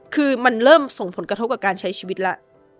คือมันเริ่มส่งผลกระทบกับการใช้ชีวิตแล้ว